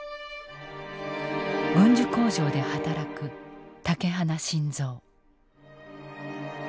軍需工場で働く竹鼻信三。